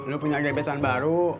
lu punya gebesan baru